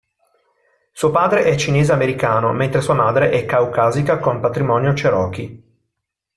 Suo padre è cinese americano, mentre sua madre è caucasica con patrimonio Cherokee.